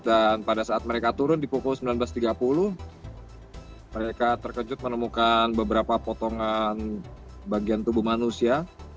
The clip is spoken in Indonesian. dan pada saat mereka turun di pukul sembilan belas tiga puluh mereka terkejut menemukan beberapa potongan bagian tubuh manusia